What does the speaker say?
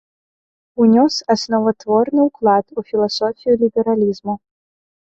Унёс асноватворны ўклад у філасофію лібералізму.